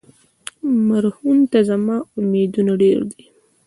مرهون ته زما امیدونه ډېر دي.